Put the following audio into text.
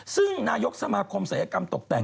ซึ่งนายกสมาคมศัยกรรมตกแต่ง